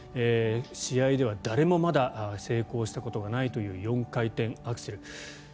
試合では、誰もまだ成功したことがないという４回転アクセル。